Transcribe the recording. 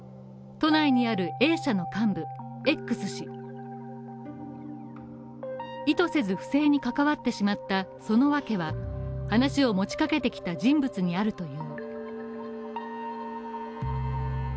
都内にあるＡ社の幹部、Ｘ氏意図せず不正に関わってしまったその訳は話を持ちかけてきた人物にあるという。